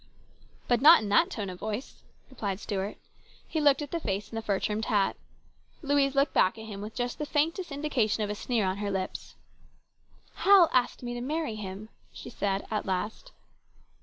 " But not in that tone of voice," replied Stuart. He looked at the face in the fur trimmed hat. Louise looked back at him with just the faintest indication of a sneer on her lips. " Hal asked me to marry him," she said at last.